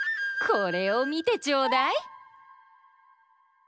これをみてちょうだい！